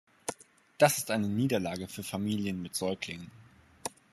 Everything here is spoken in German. Das ist eine Niederlage für Familien mit Säuglingen.